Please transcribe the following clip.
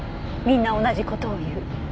「みんな同じことを言う」